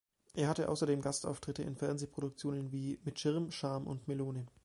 Er hatte außerdem Gastauftritte in Fernsehproduktionen wie "Mit Schirm, Charme und Melone".